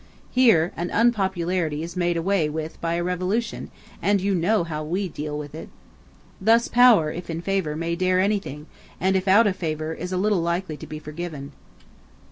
Here an unpopularity is made away with by a revolution, and you know how we deal with it. Thus, power, if in favor, may dare anything, and if out of favor is little likely to be forgiven."